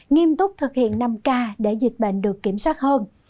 nghiêm túc thực hiện năm k để dịch bệnh được kiểm soát hơn